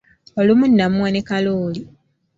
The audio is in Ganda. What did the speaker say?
Olumu namuwa ne kalooli.